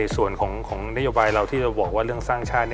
ส่วนของนโยบายเราที่เราบอกว่าเรื่องสร้างชาติ